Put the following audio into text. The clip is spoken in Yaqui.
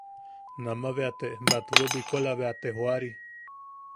Nama bea te batwe bwikola bea te joari.